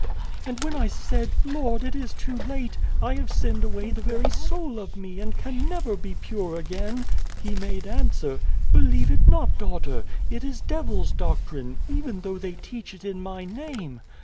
" And when I said, ' Lord, it is too late ! I have sinned away the very soul of me, and can never be pure again/ He made answer, 1 Believe it not, daughter. It is devils' doc trine, even though they teach it in My name.